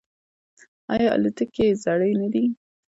آیا الوتکې یې زړې نه دي؟